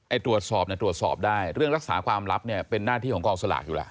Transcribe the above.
ตรวจสอบเนี่ยตรวจสอบได้เรื่องรักษาความลับเนี่ยเป็นหน้าที่ของกองสลากอยู่แล้ว